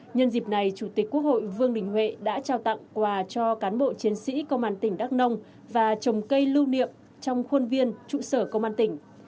nhân dịp này chủ tịch quốc hội vương đình huệ đã trao tặng quà cho cán bộ chiến sĩ công an tỉnh đắk nông và trồng cây lưu niệm trong khuôn viên trụ sở công an tỉnh